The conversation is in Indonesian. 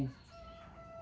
kalau dari sini rada jauh deh